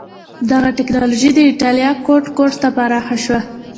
دغه ټکنالوژي د اېټالیا ګوټ ګوټ ته پراخه شوه.